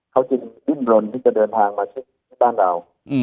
เค้าจะยืนรนที่จะเดินทางมาที่บ้านเรา